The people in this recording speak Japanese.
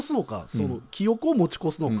その記憶を持ち越すのか。